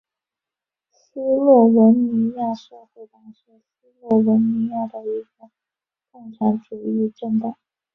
斯洛文尼亚社会党是斯洛文尼亚的一个共产主义政党。